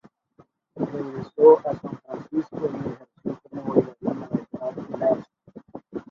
Regresó a San Francisco y ejerció como bailarina de top-less.